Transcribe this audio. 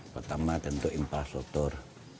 pertama tentu infrastruktur